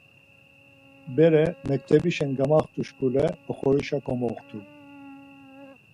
Bere mektebişen gamaxtuşkule oxorişa komoxtu.